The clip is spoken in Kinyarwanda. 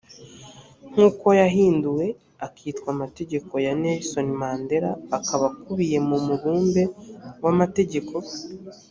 nk uko yahinduwe akitwa amategeko ya nelson mandela akaba akubiye mu mubumbe w amategeko